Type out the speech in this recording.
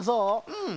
うん。